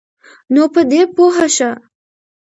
نو په دی پوهه شه